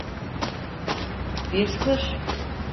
Bir sır.